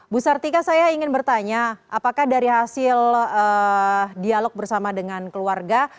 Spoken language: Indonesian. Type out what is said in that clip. bu sartika saya ingin bertanya apakah dari hasil dialog bersama dengan keluarga